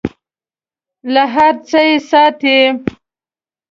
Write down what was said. له هر څه یې ساتي .